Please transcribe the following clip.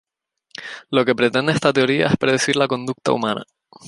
Lo que pretende esta teoría, es predecir la conducta humana.